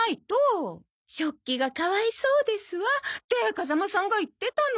風間さんが言ってたの。